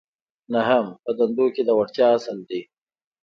نهم په دندو کې د وړتیا اصل دی.